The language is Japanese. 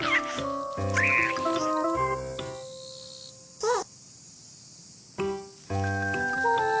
あっ。